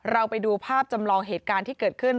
ไปดูภาพจำลองเหตุการณ์ที่เกิดขึ้น